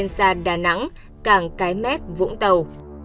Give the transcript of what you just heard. xa đà nẵng càng cái mét vũng tàu